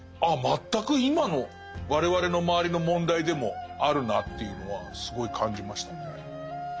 全く今の我々の周りの問題でもあるなというのはすごい感じましたね。